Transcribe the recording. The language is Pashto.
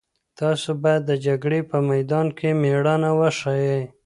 تاسو باید د جګړې په میدان کې مېړانه وښيئ.